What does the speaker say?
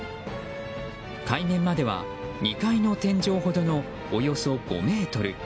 海面までは２階の天井ほどのおよそ５ｍ。